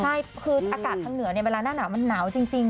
ใช่คืออากาศทางเหนือเวลาหน้าหนาวมันหนาวจริง